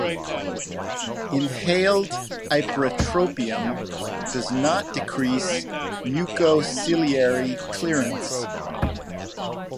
Inhaled ipratropium does not decrease mucociliary clearance.